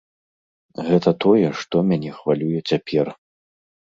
Гэта тое, што мяне хвалюе цяпер.